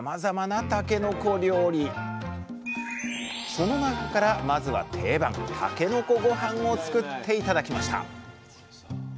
その中からまずは定番「たけのこごはん」を作って頂きました